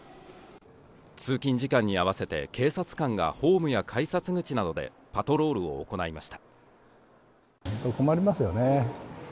通勤時間に合わせて警察官がホームや改札口などでパトロールを行いました。